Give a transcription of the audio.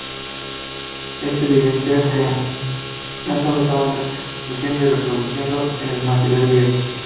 Esto evidencia que no solo estaban traduciendo y reproduciendo el material griego.